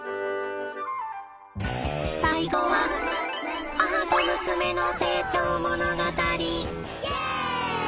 最後は母と娘の成長物語。